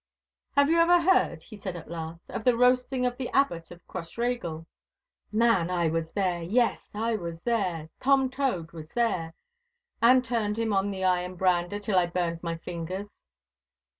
'Have you ever heard,' he said at last, 'of the roasting of the Abbot of Crossraguel? Man, I was there—yes, I was there—Tom Tode was there, and turned him on the iron brander till I burned my fingers!